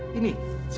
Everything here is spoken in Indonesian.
terima kasih kek